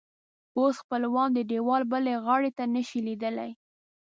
اوس خپلوان د دیوال بلې غاړې ته نه شي لیدلی.